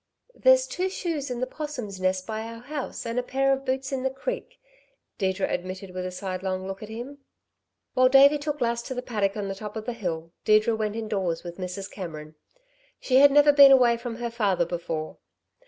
"There's two shoes in the 'possum's nest by our house, and a pair of boots in the creek," Deirdre admitted with a sidelong look at him. While Davey took Lass to the paddock on the top of the hill, Deirdre went indoors with Mrs. Cameron. She had never been away from her father before.